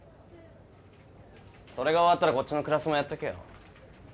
それが終わったらこっちのクラスもやっとけよ